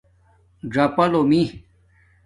ژَآپا لُومی